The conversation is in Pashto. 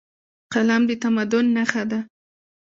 قلم د تمدن نښه ده.